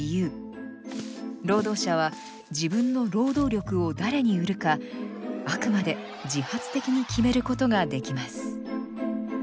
労働者は自分の労働力を誰に売るかあくまで自発的に決めることができます。